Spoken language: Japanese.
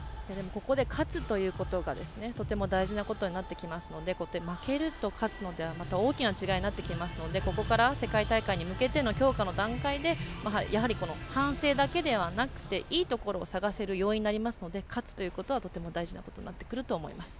ここで勝つということでとても大事なことになってきますので負けると勝つのでは大きな違いになってきますのでここから世界大会に向けての強化の段階で、反省だけではなくいいところを探せる要因になりますので勝つということは、とても大事なことになってくると思います。